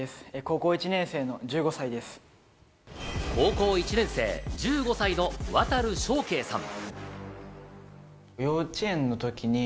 高校１年生、１５歳の渡祥恵さん。